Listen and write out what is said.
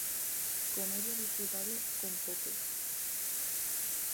Comèdia disfrutable com poques